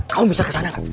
kamu bisa kesana kak